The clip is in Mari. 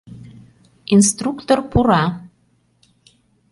Инструктор пура.